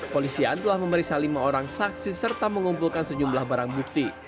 polisian telah memeriksa lima orang saksi serta mengumpulkan sejumlah barang bukti